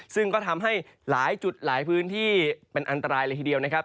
ซึ่งก็ทำให้หลายจุดหลายพื้นที่เป็นอันตรายเลยทีเดียวนะครับ